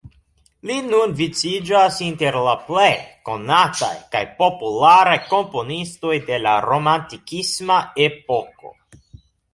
Li nun viciĝas inter la plej konataj kaj popularaj komponistoj de la romantikisma epoko.